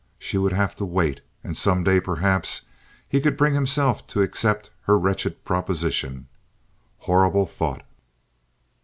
She would have to wait, and some day perhaps he could bring himself to accept her wretched proposition. Horrible thought!